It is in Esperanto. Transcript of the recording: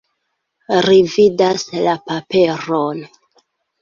Ri vidas la paperon.